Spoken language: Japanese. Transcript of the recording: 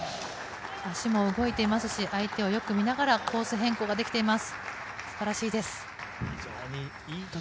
足も動いていますし、相手をよく見ながらコース変更もできています。